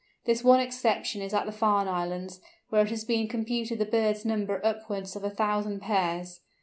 This one exception is at the Farne Islands, where it has been computed the birds number upwards of a thousand pairs.